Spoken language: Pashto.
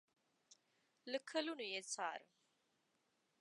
له کلونو یې څارلم